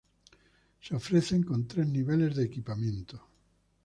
Se ofrece con tres niveles de equipamiento.